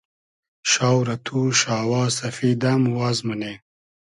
شاو رۂ تو شاوا سئفید ام واز مونی